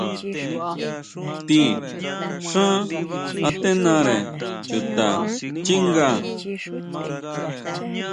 Ti xán atenare chuta xchinga.